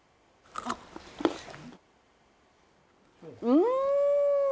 うん！